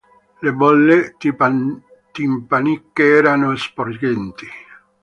Le bolle timpaniche erano sporgenti.